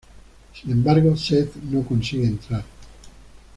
Sin embargo, Seth no consigue entrar.